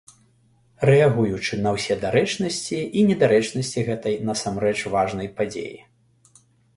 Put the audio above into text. Рэагуючы на ўсе дарэчнасці і недарэчнасці гэтай насамрэч важнай падзеі.